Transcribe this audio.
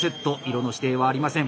色の指定はありません。